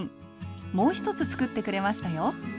もう一つ作ってくれましたよ。